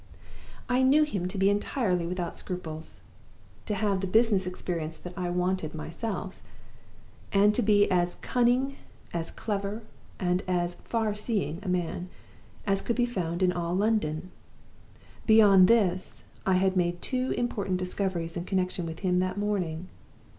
"I knew him to be entirely without scruples; to have the business experience that I wanted myself; and to be as cunning, as clever, and as far seeing a man as could be found in all London. Beyond this, I had made two important discoveries in connection with him that morning.